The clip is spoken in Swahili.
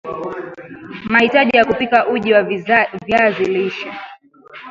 mahitaji ya kupika uji wa viazi lishe